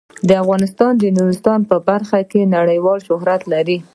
افغانستان د نورستان په برخه کې نړیوال شهرت لري.